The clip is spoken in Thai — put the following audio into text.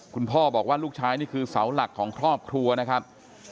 คุณพ่อบอกว่าลูกชายนี่คือเสาหลักของครอบครัวนะครับ